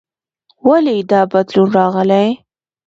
ولې دا بدلون راغلی؟